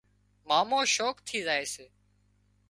مامو شوق ٿي زائي سي